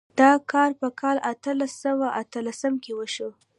دا کار په کال اتلس سوه اتلسم کې وشو.